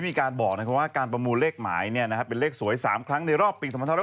เลขแบบนี้ว่าไปไหนวะแล้วมันดีอย่างไรวะ